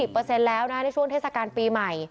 ๒๐เปอร์เซ็นต์แล้วนะในช่วงเทศกาลปีใหม่